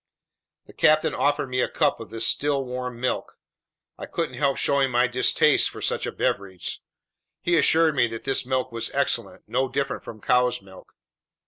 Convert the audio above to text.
The captain offered me a cup of this still warm milk. I couldn't help showing my distaste for such a beverage. He assured me that this milk was excellent, no different from cow's milk.